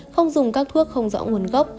không dùng các thuốc không rõ nguồn gốc